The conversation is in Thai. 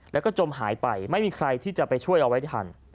แล้วก็จมหายไปไม่มีใครที่จะไปช่วยเอาไว้ได้ทัน